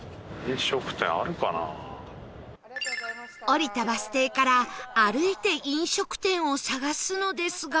降りたバス停から歩いて飲食店を探すのですが